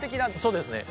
そうですね。